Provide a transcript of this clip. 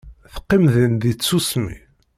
Teqqim din deg tsusmi.